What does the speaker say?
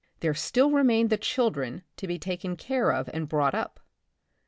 There still remained the children to be taken care of and brought up.